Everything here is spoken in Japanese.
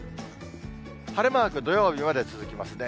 晴れマーク、土曜日まで続きますね。